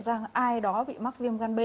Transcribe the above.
rằng ai đó bị mắc viêm gan b